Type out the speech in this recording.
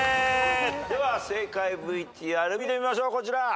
では正解ＶＴＲ見てみましょうこちら。